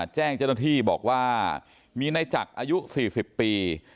แจ้งเจ้าหน้าที่บอกว่ามีในจักรอายุ๔๐ปี